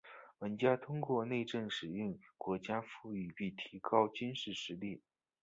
玩家通过内政使国家富裕并提高军事实力。